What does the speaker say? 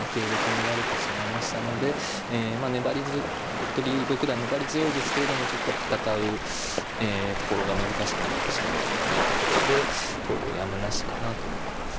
服部六段粘り強いですけれどもちょっと戦うところが難しくなってしまったというところで投了やむなしかなと思います。